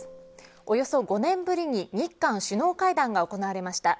およそ５年ぶりに日韓首脳会談が行われました。